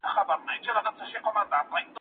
کومي ډلي له موږ سره دا درد کمولای سي؟